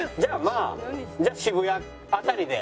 あじゃあ渋谷辺りで。